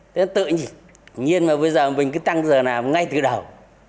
thế tự nhiên mà bây giờ mình cứ tăng giờ làm ngay từ đầu